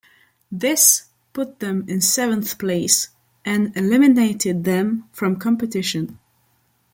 This put them in seventh place and eliminated them from competition.